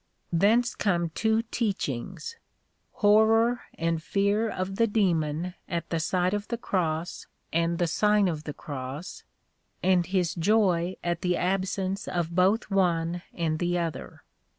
Thence come two teachings ; horror and fear of the demon at the sight of the Cross and the Sign of the Cross ; and his joy at the absence of both one and the other.